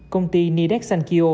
công ty nidex sancio